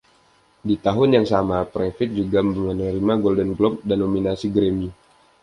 Di tahun yang sama Previte juga menerima Golden Globe dan nominasi Grammy.